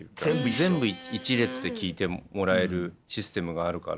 全部一列で聴いてもらえるシステムがあるから。